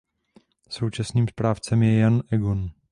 Současným správcem je Jan Egon.